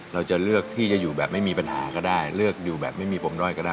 เราจะเลือกที่จะอยู่แบบไม่มีปัญหาก็ได้เลือกอยู่แบบไม่มีปมด้อยก็ได้